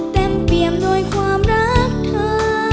เต็มเปี่ยมโดยความรักเธอ